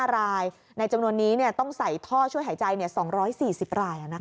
๕รายในจำนวนนี้ต้องใส่ท่อช่วยหายใจ๒๔๐ราย